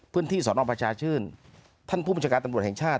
พื้นที่สอนอกประชาชื่นท่านผู้มันชะการตรรวจแห่งชาติ